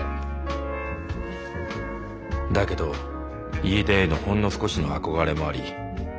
だけど家出へのほんの少しの憧れもあり諭！